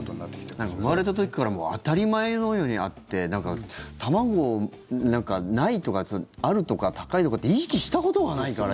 なんか、生まれた時からもう当たり前のようにあってなんか卵、ないとかさあるとか、高いとかって意識したことがないから。